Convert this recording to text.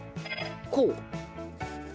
こう？